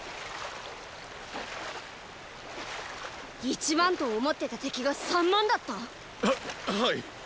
一万と思ってた敵が三万だった⁉はっはい！